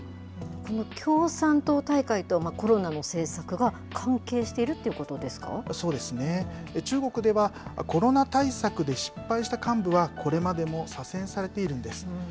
この共産党大会とコロナの政策が関係しているということですそうですね、中国では、コロナ対策で失敗した幹部は、これまでも左遷されているんです。